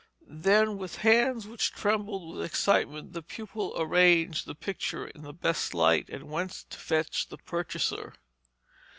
Then with hands which trembled with excitement the pupil arranged the picture in the best light, and went to fetch the purchaser.